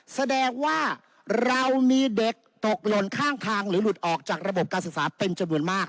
แสดงว่าเรามีเด็กตกหล่นข้างทางหรือหลุดออกจากระบบการศึกษาเป็นจำนวนมาก